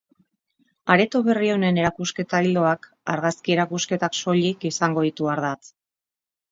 Areto berri honen erakusketa-ildoak argazki-erakusketak soilik izango ditu ardatz.